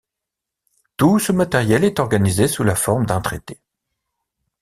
Tout ce matériel est organisé sous la forme d'un traité...